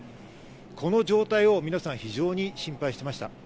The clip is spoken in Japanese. この状態を皆さん非常に心配していました。